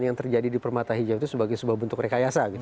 yang terjadi di permata hijau itu sebagai sebuah bentuk rekayasa